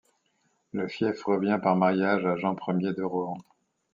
Le fief revient par mariage à Jean Ier de Rohan.